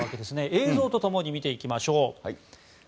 映像と共に見ていきましょう。